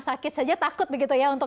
sakit saja takut begitu ya untuk